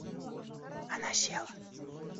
Она села.